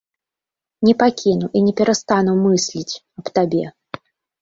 Не пакіну і не перастану мысліць аб табе.